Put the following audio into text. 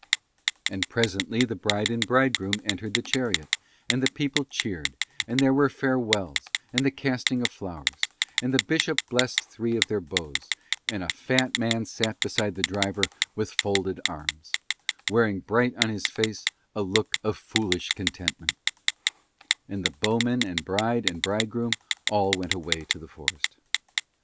And presently the bride and bridegroom entered the chariot, and the people cheered; and there were farewells and the casting of flowers; and the bishop blessed three of their bows; and a fat man sat beside the driver with folded arms, wearing bright on his face a look of foolish contentment; and the bowmen and bride and bridegroom all went away to the forest.